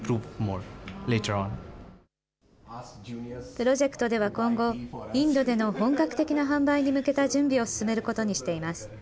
プロジェクトでは今後、インドでの本格的な販売に向けた準備を進めることにしています。